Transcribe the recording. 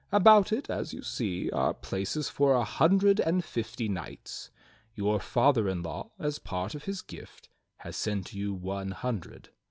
About it, as you see, are places for a hundred and fifty knights. Your father in law, as part of his gift, has sent you one hundred.